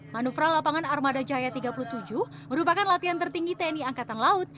manufra lapangan armada jaya tiga puluh tujuh merupakan latihan tertinggi tni angkatan laut